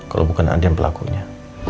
kalau bukan andien pelakunya